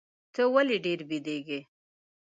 ته ولي ډېر بیدېږې؟